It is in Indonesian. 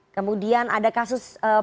kemudian ada kasus